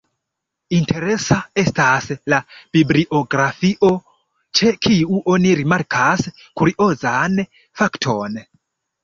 Interesa estas la bibliografio, ĉe kiu oni rimarkas kuriozan fakton.